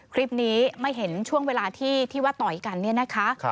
คลิปนี้ไม่เห็นช่วงเวลาที่ว่าต่อยกันเนี่ยนะคะ